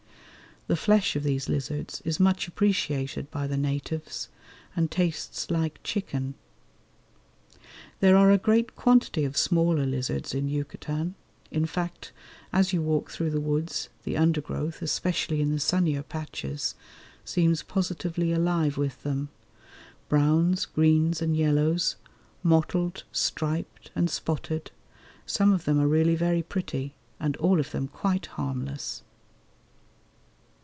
The flesh of these lizards is much appreciated by the natives, and tastes like chicken. There are a great quantity of smaller lizards in Yucatan; in fact, as you walk through the woods the undergrowth, especially in the sunnier patches, seems positively alive with them. Browns, greens, and yellows; mottled, striped, and spotted; some of them are really very pretty, and all of them quite harmless.